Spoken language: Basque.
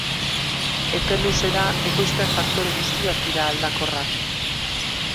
Epe luzera ekoizpen-faktore guztiak dira aldakorrak.